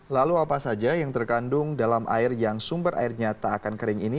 lalu apa saja yang terkandung dalam air yang sumber airnya tak akan kering ini